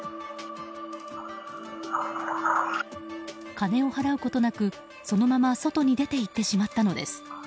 金を払うことなく、そのまま外に出ていってしまったのです。